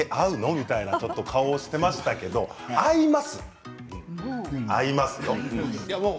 みたいな顔していましたけど合いますよ。